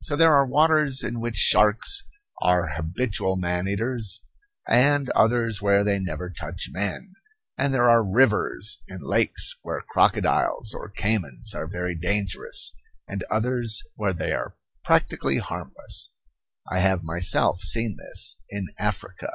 So there are waters in which sharks are habitual man eaters, and others where they never touch men; and there are rivers and lakes where crocodiles or caymans are very dangerous, and others where they are practically harmless I have myself seen this in Africa.